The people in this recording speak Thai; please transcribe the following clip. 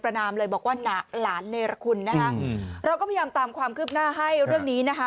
นามเลยบอกว่าหลานเนรคุณนะคะเราก็พยายามตามความคืบหน้าให้เรื่องนี้นะคะ